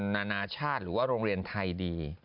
นานาชาติหรือว่าโรงเรียนไทยดี